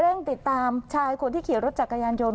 เรื่องติดตามชายคนขี่รถจากกำลังยนต์